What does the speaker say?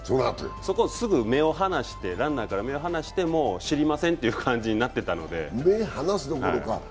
そこ、すぐランナーから目を離して、もう知りませんって感じになってたので。